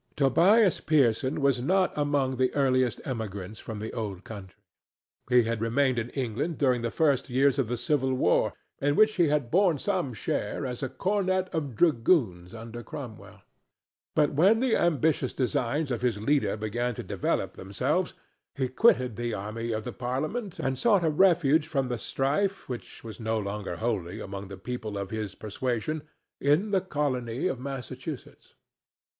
Tobias Pearson was not among the earliest emigrants from the old country. He had remained in England during the first years of the Civil War, in which he had borne some share as a cornet of dragoons under Cromwell. But when the ambitious designs of his leader began to develop themselves, he quitted the army of the Parliament and sought a refuge from the strife which was no longer holy among the people of his persuasion in the colony of Massachusetts.